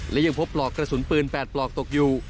และยังพบปลอกกระสุนปืน๘ปลอกตกอยู่